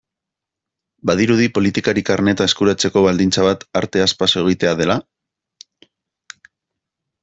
Badirudi politikari karneta eskuratzeko baldintza bat arteaz paso egitea dela?